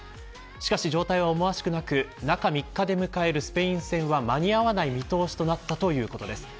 しかし、状態は思わしくなく中３日で迎えるスペイン戦は間に合わない見通しとなったということです。